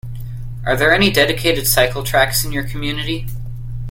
Are there any dedicated cycle tracks in your community?